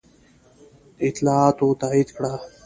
اطلاعاتو تایید کړه.